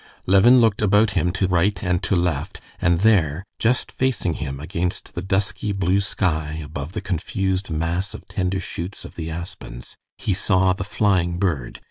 Levin looked about him to right and to left, and there, just facing him against the dusky blue sky above the confused mass of tender shoots of the aspens, he saw the flying bird.